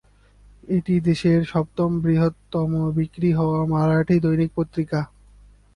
এটি দেশের সপ্তম বৃহত্তম বিক্রি হওয়া মারাঠি দৈনিক পত্রিকা।